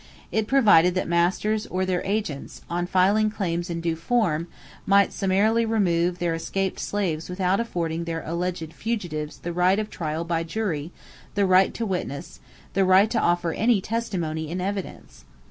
It provided that masters or their agents, on filing claims in due form, might summarily remove their escaped slaves without affording their "alleged fugitives" the right of trial by jury, the right to witness, the right to offer any testimony in evidence.